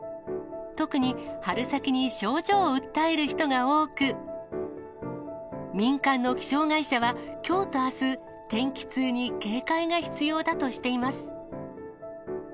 特に、春先に症状を訴える人が多く、民間の気象会社はきょうとあす、天気痛に警戒が必要だとしています。